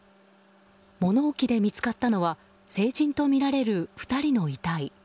物置で見つかったのは成人とみられる２人の遺体。